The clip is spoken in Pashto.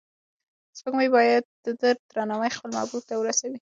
سپوږمۍ باید د ده درناوی خپل محبوب ته ورسوي.